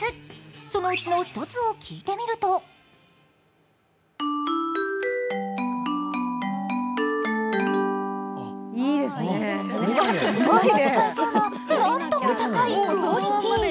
そのうちの１つを聴いてみるとそのまま使えそうな、なんとも高いクオリティー。